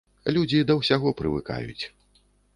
Людзі да ўсяго прывыкаюць.